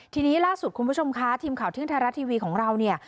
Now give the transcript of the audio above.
ทีนี้ล่าสุดคุณผู้ชมคะทีมข่าวทึ่งไทยรัฐทีวีของเราเนี่ย